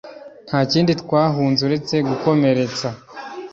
nta kindi twahunze uretse gukomeretsa